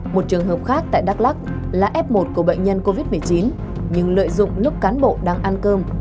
một trường hợp khác tại đắk lắc là f một của bệnh nhân covid một mươi chín nhưng lợi dụng lúc cán bộ đang ăn cơm